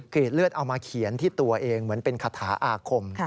เลือดเอามาเขียนที่ตัวเองเหมือนเป็นคาถาอาคม